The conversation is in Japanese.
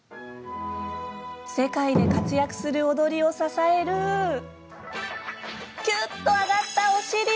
世界で活躍する踊りを支えるきゅっと上がったお尻。